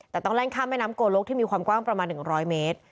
แต่ต้องแล่นข้ามแม่น้ำโกลกที่มีความกว้างประมาณ๑๐๐เมตร